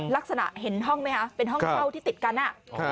ลักษณะเห็นห้องไหมคะเป็นห้องเช่าที่ติดกัน